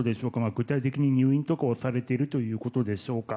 具体的に入院とかをされているということでしょうか。